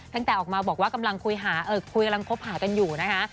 ตั้งแต่ออกมาบอกว่ากำลังคุยหาคุยกำลังคบหากันอยู่นะคะ